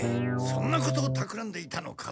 そんなことをたくらんでいたのか。